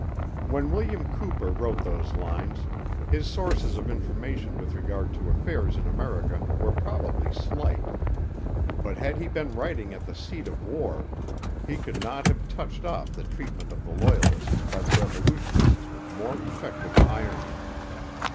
When William Cowper wrote these lines, his sources of information with regard to affairs in America were probably slight; but had he been writing at the seat of war he could not have touched off the treatment of the Loyalists by the revolutionists with more effective irony.